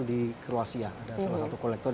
di kruasia ada salah satu kolektor